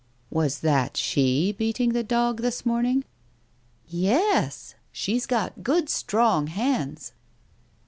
"Was that she beating the dog this morning? " "Yes. She's got good strong hands."